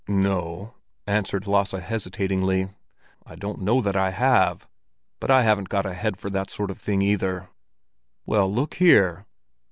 "No," answered Lasse hesitatingly, "I don't know that I have. But I haven't got a head for that sort of thing either." "Well, look here!